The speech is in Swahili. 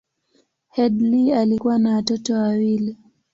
Headlee alikuwa na watoto wawili.